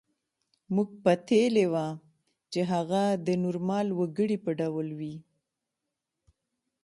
موږ پتېیلې وه چې هغه د نورمال وګړي په ډول وي